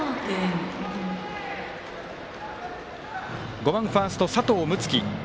５番、ファースト、佐藤夢樹。